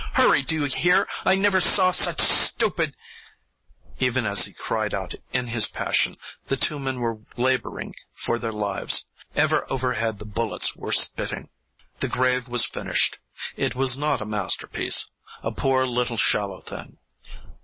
Hurry, do you hear? I never saw such stupid " Even as he cried out in his passion the two men were laboring for their lives. Ever overhead the bullets were spitting. The grave was finished, It was not a masterpiece a poor little shallow thing.